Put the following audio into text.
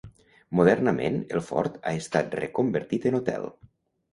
Modernament el fort ha estat reconvertit en hotel.